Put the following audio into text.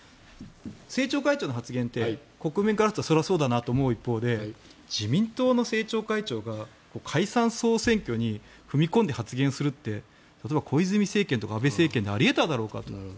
政調会長の発言って国民からするとそれはそうだなと思う一方で自民党の政調会長が解散・総選挙に踏み込んで発言するって例えば、小泉政権とか安倍政権であり得ただろうかと。